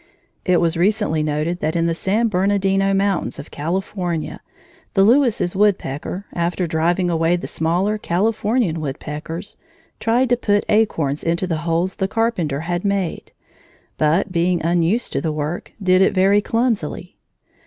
It was recently noted that in the San Bernardino Mountains of California the Lewis's woodpecker, after driving away the smaller Californian woodpeckers, tried to put acorns into the holes the Carpenter had made, but, being unused to the work, did it very clumsily.